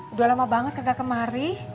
udah lama banget ketika kemari